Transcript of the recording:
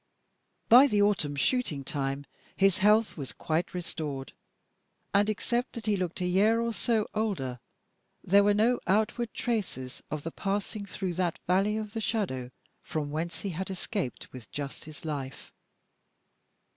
By the autumn shooting time his health was quite restored, and except that he looked a year or so older there were no outward traces of the passing through that valley of the shadow, from whence he had escaped with just his life.